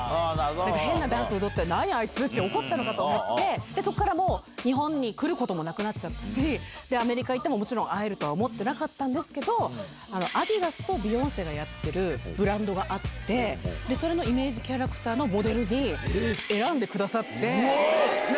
変なダンス踊って、何あいつって怒ったのかと思って、そこからもう日本に来ることもなくなっちゃったし、アメリカ行っても、もちろん会えるとは思ってなかったんですけど、アディダスとビヨンセがやってるブランドがあって、それのイメージキャラクターのモデルに選んでくださって。